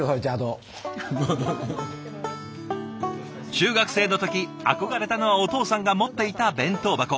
中学生の時憧れたのはお父さんが持っていた弁当箱。